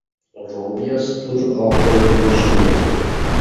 Roviya stûr avê dimijîne.